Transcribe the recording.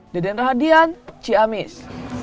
deden rahadian ciamis